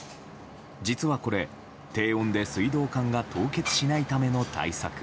実はこれ、低温で水道管が凍結しないための対策。